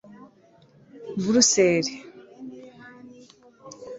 Brussels